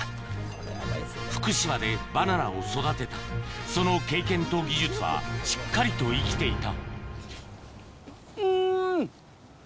福島でバナナを育てたその経験と技術はしっかりと生きていたうん！